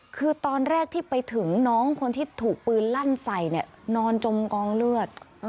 คือตอนแรกที่ไปถึงน้องคนที่ถูกปืนลั่นใส่เนี่ยนอนจมกองเลือด